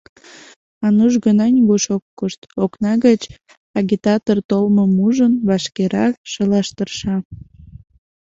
Ануш гына нигуш ок кошт, окна гыч агитатор толмым ужын, вашкерак шылаш тырша.